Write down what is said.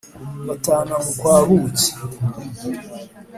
batana mu kwa buki